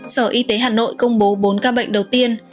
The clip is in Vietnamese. sở y tế hà nội công bố bốn ca bệnh đầu tiên